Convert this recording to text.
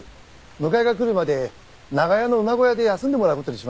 迎えが来るまで長屋の馬小屋で休んでもらう事にします。